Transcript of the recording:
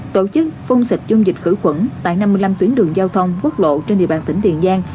tổ chức phun xịt dung dịch khử khuẩn tại năm mươi năm tuyến đường giao thông quốc lộ trên địa bàn tỉnh tiền giang